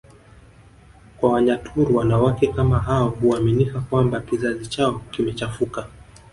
kwa Wanyaturu wanawake kama hao huaminika kwamba kizazi chao kimechafuka